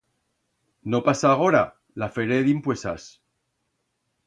No pas agora, la feré dimpuesas.